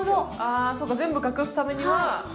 そうか、全部隠すためには。